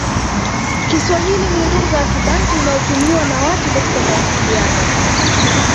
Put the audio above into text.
Kiswahili ni lugha ya Kibantu inayotumiwa na watu katika mawasiliano